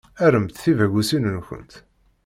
Rremt tibagusin-nkent.